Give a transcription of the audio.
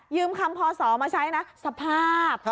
คำพอสอมาใช้นะสภาพ